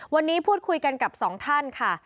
วันนี้พูดคุยกันกับสองท่านค่ะ